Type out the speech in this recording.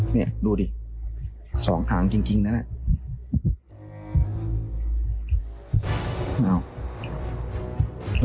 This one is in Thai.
เนี่ยดูดิสองหางจริงนะเนี่ย